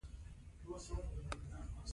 دا پروسه دوام لري.